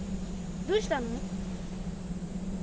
どうしたの？